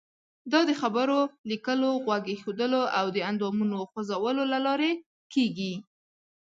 دا د خبرو، لیکلو، غوږ ایښودلو او د اندامونو خوځولو له لارې کیږي.